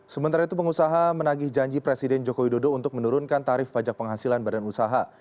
sementara itu pengusaha menagih janji presiden joko widodo untuk menurunkan tarif pajak penghasilan badan usaha